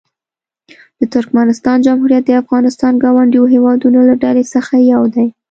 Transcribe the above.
د ترکمنستان جمهوریت د افغانستان ګاونډیو هېوادونو له ډلې څخه یو دی.